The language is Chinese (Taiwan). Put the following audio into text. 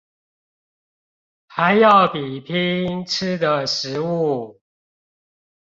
還要比拼吃的食物